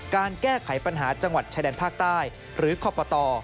การแก้ไขปัญหาจังหวัดชายแดนภาคใต้หรือคอปต